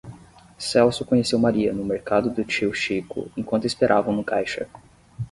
celso conheceu maria no mercado do tio chico enquanto esperavam no caixa